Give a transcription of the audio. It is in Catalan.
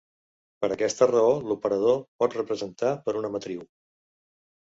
Per aquesta raó l'operador pot representar per una matriu.